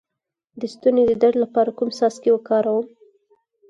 د ستوني د درد لپاره کوم څاڅکي وکاروم؟